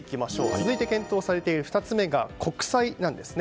続いて検討されている２つ目が国債なんですね。